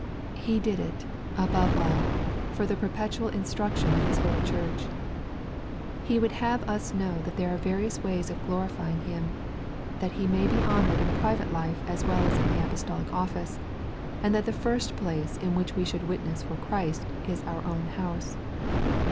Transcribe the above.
— He did it, above all, for the perpetual instruction of His whole church. He would have us know that there are various ways of glorifying Him, that He may be honored in private life as well as in the apostolic office, and that the first place in which we should witness for Christ is our own house.